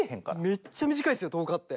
めっちゃ短いですよ１０日って。